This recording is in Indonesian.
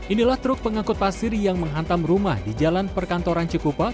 inilah truk pengangkut pasir yang menghantam rumah di jalan perkantoran cikupa